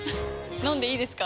飲んでいいですか？